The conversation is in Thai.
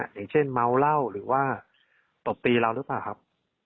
อย่างเช่นเมาเหล้าหรือว่าตบตีเราหรือเปล่าครับ